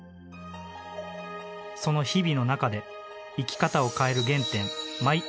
その日々の中で生き方を変える原点